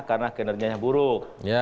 karena kinerjanya buruk